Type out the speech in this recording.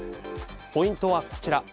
ポイントはこちら。